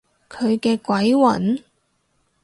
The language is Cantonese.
佢嘅鬼魂？